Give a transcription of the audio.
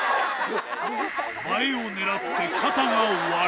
映えを狙って、肩が終わる。